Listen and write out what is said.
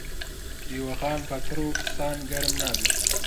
دیوەخان بە تڕ و فسان گەرم نابی.